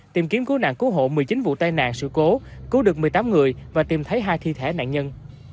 tìm kiếm cứu nạn cứu hộ một mươi chín vụ tai nạn sự cố cứu được một mươi tám người và tìm thấy hai thi thể nạn nhân